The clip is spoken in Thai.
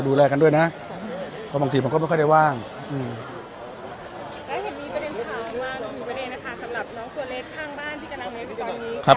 สำหรับน้องตัวเล็กข้างบ้านที่กำลังเล็กอยู่ตอนนี้ครับ